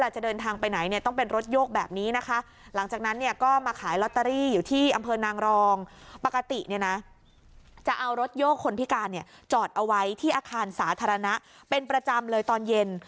จะเอารถโยกคนพิการจอดเอาไว้ที่อาคารสาธารณะเป็นประจำเลยตอนเย็น